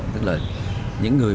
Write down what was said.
tức là những người